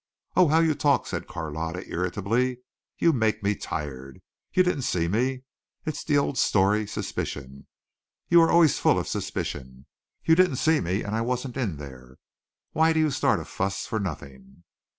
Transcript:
"Oh, how you talk," said Carlotta, irritably. "You make me tired. You didn't see me. It's the old story suspicion. You're always full of suspicion. You didn't see me and I wasn't in there. Why do you start a fuss for nothing!"